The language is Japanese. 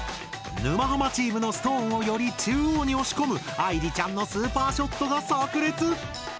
沼ハマチームのストーンをより中央に押し込む愛莉ちゃんのスーパーショットが炸裂！